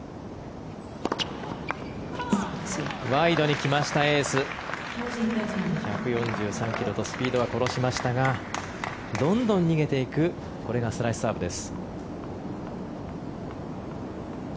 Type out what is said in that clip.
ワイドに来ましたエース１４３ｋｍとスピードは殺しましたがどんどん逃げていくこれがスライスサーブです。